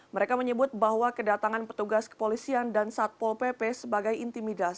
mereka menyebut bahwa kedatangan petugas kepolisian dan satpol pp sebagai intimidasi